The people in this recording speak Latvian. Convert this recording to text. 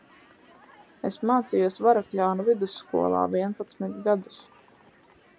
Es mācījos Varakļānu vidusskolā vienpadsmit gadus.